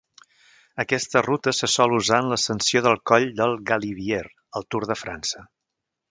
Aquesta ruta se sol usar en l'ascensió del coll del Galibier al Tour de França.